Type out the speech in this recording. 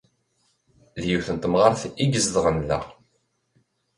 D yiwet n temɣart ay izedɣen da.